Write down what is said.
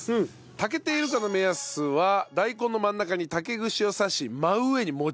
炊けているかの目安は大根の真ん中に竹串を刺し真上に持ち上げる。